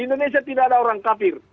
bisa tidak ada orang kapir